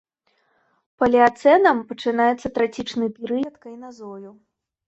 Палеацэнам пачынаецца трацічны перыяд кайназою.